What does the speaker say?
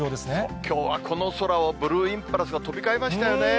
きょうはこの空をブルーインパルスが飛び交いましたよね。